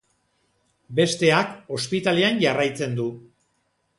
Besteak ospitalean jarraitzen du.